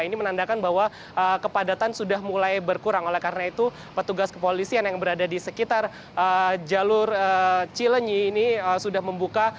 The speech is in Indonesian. ini menandakan bahwa kepadatan sudah mulai berkurang oleh karena itu petugas kepolisian yang berada di sekitar jalur cilenyi ini sudah membuka